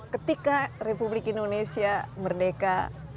ketika republik indonesia merdeka